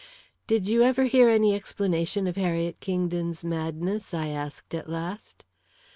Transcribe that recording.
"Did you ever hear any explanation of Harriet Kingdon's madness?" I asked at last.